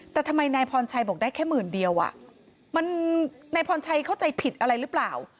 แต่ทำไมนายพรชัยบอกได้แค่หมื่นเดียวอ่ะมันนายพรชัยเข้าใจผิดอะไรหรือเปล่า